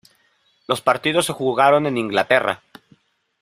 Los partidos se jugaron en Inglaterra.